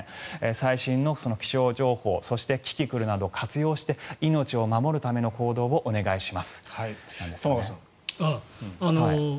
最新の気象情報キキクルなどを活用して命を守るための行動をしてください。